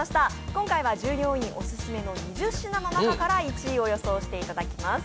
今回は従業員オススメの２０品の中から１位を予想していただきます。